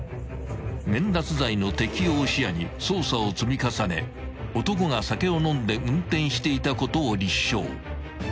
［免脱罪の適用を視野に捜査を積み重ね男が酒を飲んで運転していたことを立証］